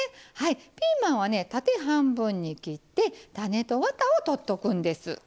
ピーマンはね縦半分に切って種とワタを取っとくんです。